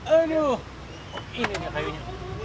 ini dia kayunya